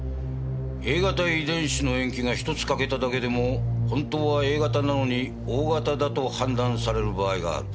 Ａ型遺伝子の塩基が１つ欠けただけでも本当はＡ型なのにＯ型だと判断される場合がある。